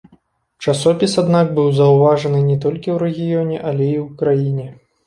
Часопіс, аднак, быў заўважаны не толькі ў рэгіёне, але і ў краіне.